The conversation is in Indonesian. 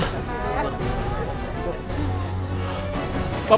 pak pak pak